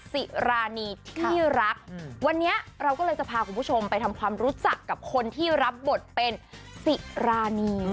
สิรานีที่รักวันนี้เราก็เลยจะพาคุณผู้ชมไปทำความรู้จักกับคนที่รับบทเป็นสิรานี